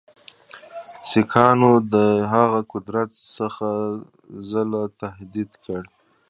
سیکهانو د هغه قدرت څو ځله تهدید کړ.